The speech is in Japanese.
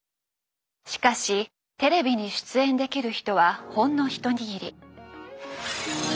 しかしテレビに出演できる人はほんの一握り。